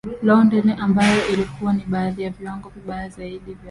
London ambayo ilikuwa na baadhi ya viwango vibaya zaidi vya